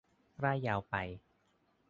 ร่ายยาวไป